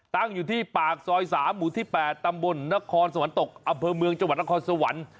ตั้งอยู่ที่ปากซอย๓หมู่ที่๘ตำบลนครสวรรคตกอำเภอเมืองจังหวัดนครสวรรค์